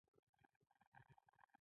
آلوبالو د وینې جریان ښه کوي.